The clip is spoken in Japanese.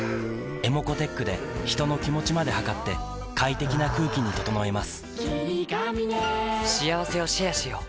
ｅｍｏｃｏーｔｅｃｈで人の気持ちまで測って快適な空気に整えます